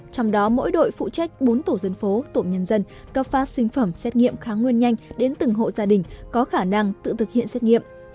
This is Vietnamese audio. trong đó mỗi đội phụ trách bốn tổ dân phố tổ nhân dân cấp phát sinh phẩm xét nghiệm kháng nguyên nhanh đến từng hộ gia đình có khả năng tự thực hiện xét nghiệm